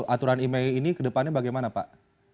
aturan email ini kedepannya bagaimana pak